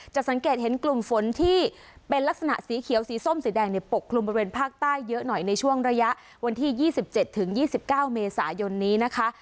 สังเกตเห็นกลุ่มฝนที่เป็นลักษณะสีเขียวสีส้มสีแดงเนี่ยปกคลุมบริเวณภาคใต้เยอะหน่อยในช่วงระยะวันที่๒๗๒๙เมษายนนี้นะคะ